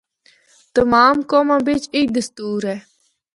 تمام قوماں وچ ایہہ دستور اے۔